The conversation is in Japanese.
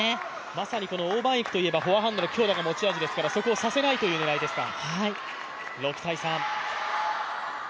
まさに王曼イクといえばフォアハンドの強打が持ち味ですが、そこをさせないという狙いですか。